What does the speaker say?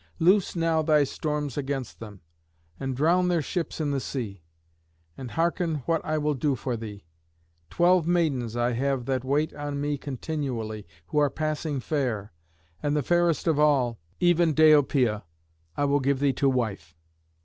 Loose now thy storms against them, and drown their ships in the sea. And hearken what I will do for thee. Twelve maidens I have that wait on me continually, who are passing fair, and the fairest of all, even Deiopëia, I will give thee to wife."